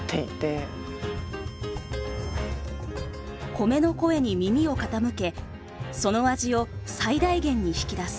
コメの声に耳を傾けその味を最大限に引き出す。